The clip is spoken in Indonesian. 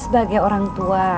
sebagai orang tua